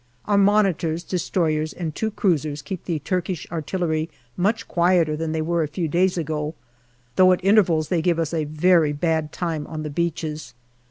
Our Monitors, destroyers, and two cruisers keep the Turkish artillery much quieter than they were a few days ago, though at intervals they give us a very bad time on the beaches.